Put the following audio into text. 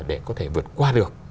để có thể vượt qua được